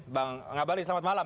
bang ngabalin selamat malam